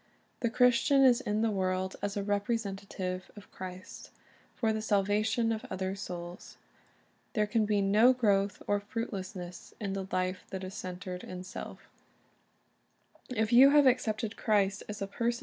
The Christian is in the world as a representative of Christ, for the salvation of other souls. There can be no growth or fruitfulness in the life that is centered in self If you have accepted Christ as a personal iZech.